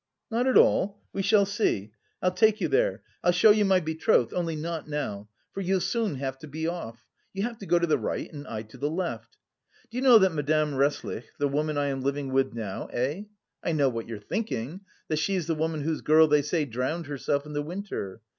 "Not at all? We shall see. I'll take you there, I'll show you my betrothed, only not now. For you'll soon have to be off. You have to go to the right and I to the left. Do you know that Madame Resslich, the woman I am lodging with now, eh? I know what you're thinking, that she's the woman whose girl they say drowned herself in the winter.